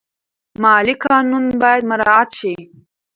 مالي قانون باید مراعات شي.